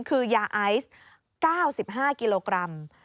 คือยาไอซ์๙๕กิโลกรัม